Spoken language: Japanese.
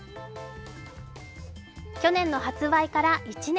去年の発売から１年。